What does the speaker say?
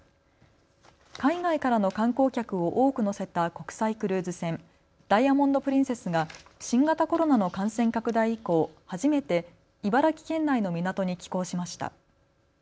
海外からの観光客を多く乗せた国際クルーズ船、ダイヤモンド・プリンセスが新型コロナの感染拡大以降、初めて茨城県内の港に寄港しました。